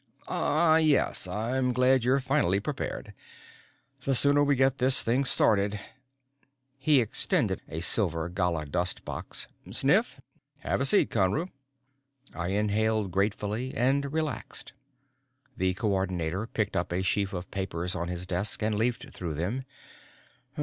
"Ah, yes. I'm glad you're finally prepared. The sooner we get this thing started " He extended a silver galla dust box. "Sniff? Have a seat, Conru." I inhaled gratefully and relaxed. The Coordinator picked up a sheaf of papers on his desk and leafed through them.